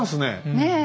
ねえ。